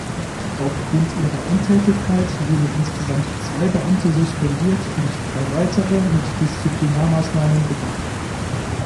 Aufgrund ihrer Untätigkeit wurden insgesamt zwei Beamte suspendiert und drei weitere mit Disziplinarmaßnahmen bedacht.